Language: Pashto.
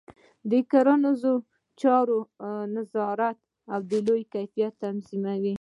د کرنيزو چارو نظارت د لوړ کیفیت تضمینوي.